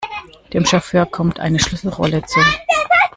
Dem Chauffeur kommt eine Schlüsselrolle zu.